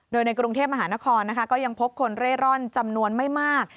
โดยในกรุงเทพมหานครก็ยังพบคนเร่ร่อนจำนวนไม่มาก